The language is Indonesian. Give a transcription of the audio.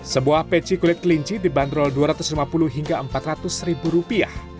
sebuah peci kulit kelinci dibanderol dua ratus lima puluh hingga empat ratus ribu rupiah